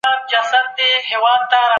سبزيجات ډېر استعمال کړه